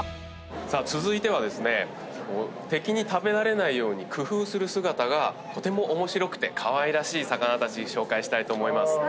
さあ続いてはですね敵に食べられないように工夫する姿がとても面白くてかわいらしい魚たち紹介したいと思います。